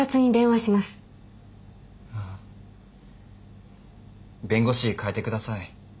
ああ弁護士変えてください。